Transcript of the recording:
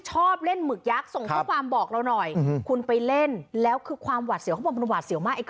ชอบเล่นหมึกยักษ์ส่งข้อความบอกเราหน่อยคุณไปเล่นแล้วคือความหวาดเสียวเขาบอกมันหวาดเสียวมาก